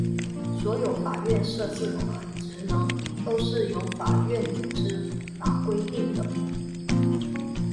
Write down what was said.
所有法院的设置和职能都是由法院组织法规定的。